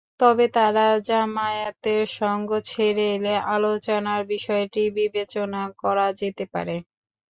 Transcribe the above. তবে তারা জামায়াতের সঙ্গ ছেড়ে এলে আলোচনার বিষয়টি বিবেচনা করা যেতে পারে।